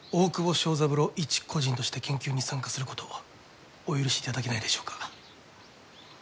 昭三郎一個人として研究に参加することお許しいただけないでしょうか？